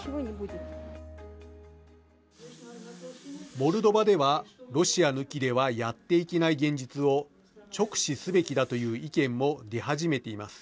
モルドバではロシア抜きではやっていけない現実を直視すべきだという意見も出始めています。